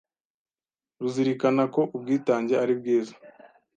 ruzirikana ko ubwitange ari bwiza